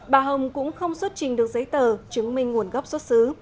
bà hồng cũng không xuất trình được giấy tờ chứng minh nguồn gốc xuất xứ